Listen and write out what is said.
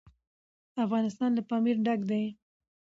افغانستان له پامیر ډک دی.